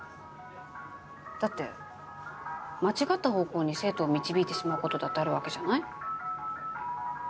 だって間違った方向に生徒を導いてしまうことだってあるわけじゃない？